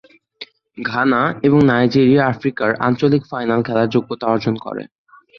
Ghana এবং Nigeria আফ্রিকার আঞ্চলিক ফাইনাল খেলার যোগ্যতা অর্জন করে।